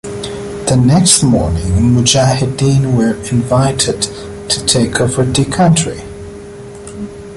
The next morning mujahideen were invited to take over the country.